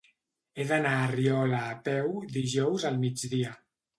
He d'anar a Riola a peu dijous al migdia.